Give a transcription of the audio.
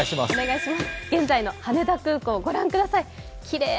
現在の羽田空港、ご覧ください。